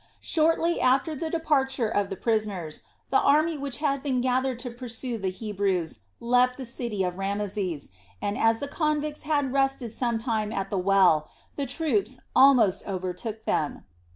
Shortly after the departure of the prisoners, the army which had been gathered to pursue the Hebrews left the city of Rameses, and as the convicts had rested some time at the well, the troops almost overtook them.